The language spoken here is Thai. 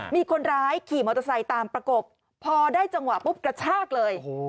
มีคนร้ายขี่มอเตอร์ไซค์ตามประกบพอได้จังหวะปุ๊บกระชากเลย